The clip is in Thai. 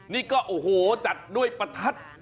นี่ก็โอ้โหจัดด้วยประทัด